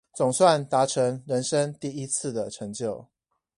總算達成人生第一次的成就